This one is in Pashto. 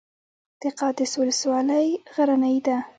د قادس ولسوالۍ غرنۍ ده